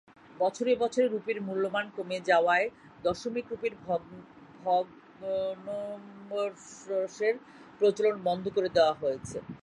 বছরে বছরে রুপির মূল্যমান কমে যাওয়ায় দশমিক রুপির ভগ্নম্বরশের প্রচলন বন্ধ করে দেয়া হয়েছে।